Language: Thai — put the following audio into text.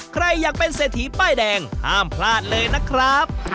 ใครอยากเป็นเศรษฐีป้ายแดงห้ามพลาดเลยนะครับ